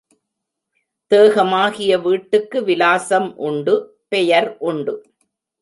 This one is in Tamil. தேகமாகிய வீட்டுக்கு விலாசம் உண்டு பெயர் உண்டு.